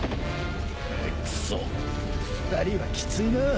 あっクソ２人はきついな。